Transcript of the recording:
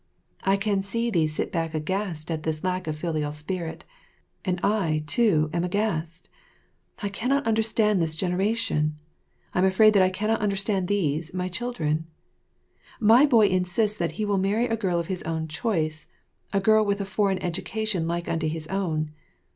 I can see thee sit back aghast at this lack of filial spirit; and I, too, am aghast. I cannot understand this generation; I'm afraid that I cannot understand these, my children. My boy insists that he will marry a girl of his own choice, a girl with a foreign education like unto his own.